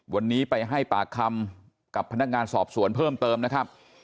วันนี้ไปให้ปากคำกับพนักงานสอบสวนเพิ่มเติมนะครับ